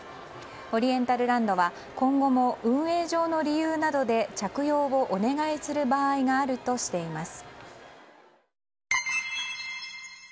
オリエンタルランドは今後も運営上の理由などで着用をお願いする場合があるとしています。